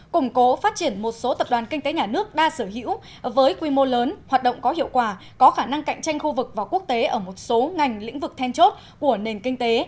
củng cố phát triển một số tập đoàn kinh tế nhà nước đa sở hữu với quy mô lớn hoạt động có hiệu quả có khả năng cạnh tranh khu vực và quốc tế ở một số ngành lĩnh vực then chốt của nền kinh tế